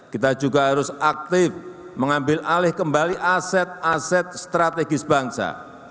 kita juga harus aktif mengambil alih kembali aset aset strategis bangsa